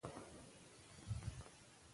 ایا د سوچونو کړۍ وشلیدله؟